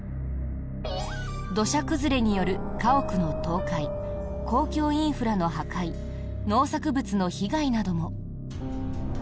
土砂崩れによる家屋の倒壊公共インフラの破壊農作物の被害なども。